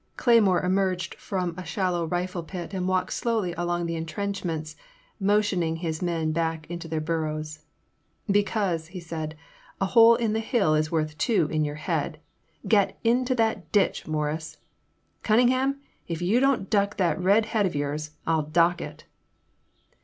Cleymore emerged from a shallow rifle pit and walked slowly along the intrenchments, motion ing his men back into their burrows. Because," he said, a hole in the hill is worth two in your head ^et into that ditch, Mor ris !— Cunningham, if you don't duck that red head of yours, I '11 dock it